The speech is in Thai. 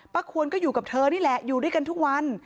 ควรก็อยู่กับเธอนี่แหละอยู่ด้วยกันทุกวัน